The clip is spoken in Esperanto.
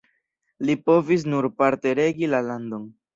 Li povis nur parte regi la landon.